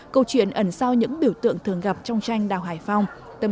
câu chuyện ẩn sau những biểu tượng thường gặp trong tranh đào hải phong